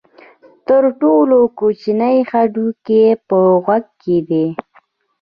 تر ټولو کوچنی هډوکی په غوږ کې دی.